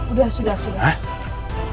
udah sudah sudah